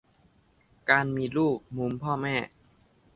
- การมีลูก มุมพ่อแม่